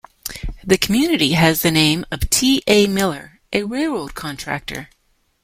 The community has the name of T. A. Miller, a railroad contractor.